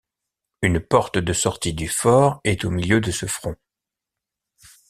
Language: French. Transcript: Une porte de sortie du fort est au milieu de ce front.